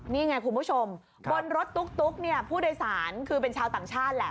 นี่ไงคุณผู้ชมบนรถตุ๊กเนี่ยผู้โดยสารคือเป็นชาวต่างชาติแหละ